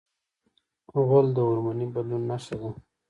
غول د هورموني بدلون نښه ده.